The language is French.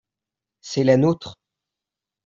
c'est la nôtre.